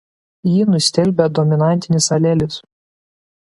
Jį nustelbia dominantinis alelis.